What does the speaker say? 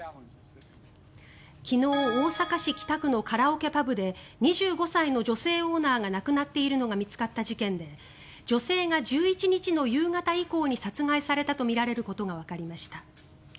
昨日大阪市北区のカラオケパブで２５歳の女性オーナーが亡くなっているのが見つかった事件で女性が１１日の夕方以降に殺害されたとみられることがわかりました。